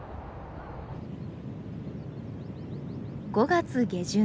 ５月下旬。